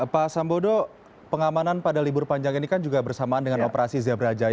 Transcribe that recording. pak sambodo pengamanan pada libur panjang ini kan juga bersamaan dengan operasi zebra jaya